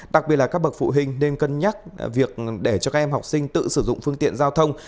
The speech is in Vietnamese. đặc biệt là các bậc phụ huynh nên cân nhắc việc để cho các em học sinh tự sử dụng phương tiện giao thông